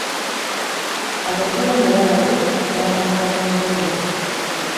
Abatongole abo baabanga banjawulo.